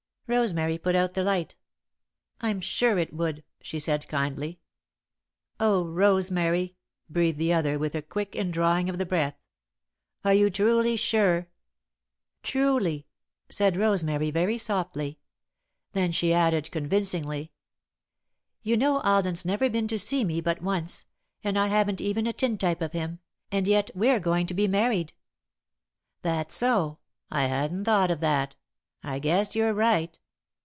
Rosemary put out the light. "I'm sure it would," she said, kindly. "Oh, Rosemary!" breathed the other, with a quick indrawing of the breath. "Are you truly sure?" "Truly," said Rosemary, very softly. Then she added, convincingly: "You know Alden's never been to see me but once, and I haven't even a tintype of him, and yet we're going to be married." "That's so. I hadn't thought of that. I guess you're right."